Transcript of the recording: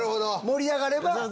盛り上がればＯＫ。